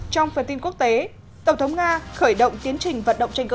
trong phần tin quốc tế tổng thống nga khởi động tiến trình vận động tranh cử